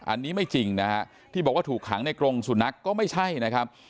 อันนี้ไม่จริงนะฮะที่บอกว่าถูกขังในกรงสุนัขก็ไม่ใช่นะครับ